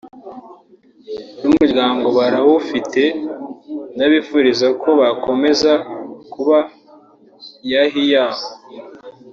n’umuryango barawufite ndabifuriza ko bazakomeza kuba yahi yawo